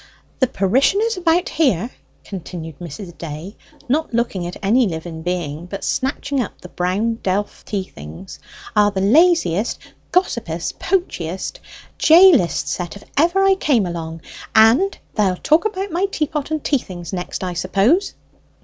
"The parishioners about here," continued Mrs. Day, not looking at any living being, but snatching up the brown delf tea things, "are the laziest, gossipest, poachest, jailest set of any ever I came among. And they'll talk about my teapot and tea things next, I suppose!"